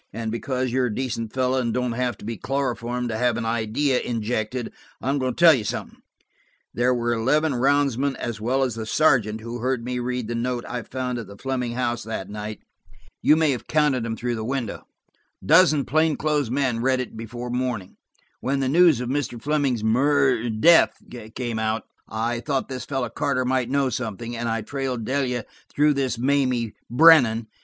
And because you're a decent fellow and don't have to be chloroformed to have an idea injected, I'm going to tell you something. There were eleven roundsmen as well as the sergeant who heard me read the note I found at the Fleming house that night. You may have counted them through the window. A dozen plain clothes men read it before morning. When the news of Mr. Fleming's mur–death came out, I thought this fellow Carter might know something, and I trailed Delia through this Mamie Brennan.